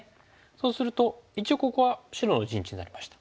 そうすると一応ここは白の陣地になりました。